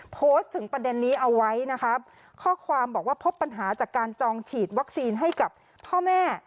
โพสต์ถึงประเด็นนี้เอาไว้นะคะข้อความบอกว่าพบปัญหาจากการจองฉีดวัคซีนให้กับพ่อแม่